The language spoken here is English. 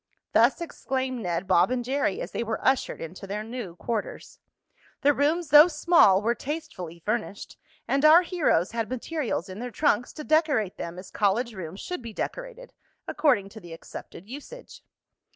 Thus exclaimed Ned, Bob and Jerry as they were ushered into their new quarters. The rooms, though small, were tastefully furnished, and our heroes had materials in their trunks to decorate them as college rooms should be decorated, according to the accepted usage.